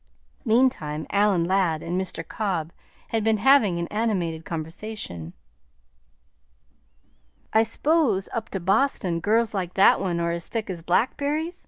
Meantime Adam Ladd and Mr. Cobb had been having an animated conversation. "I s'pose up to Boston, girls like that one are as thick as blackb'ries?"